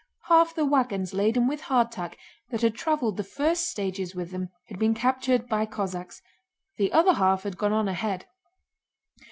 Half the wagons laden with hardtack that had traveled the first stages with them had been captured by Cossacks, the other half had gone on ahead.